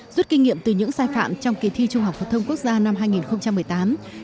rút kinh nghiệm từ những sai phạm trong kỳ thi trung học phổ thông quốc gia năm hai nghìn một mươi tám